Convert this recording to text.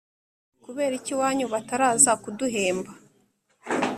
Kuberiki iwanyu bataraza kuduhemba